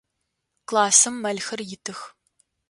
Классым мэлхэр итых.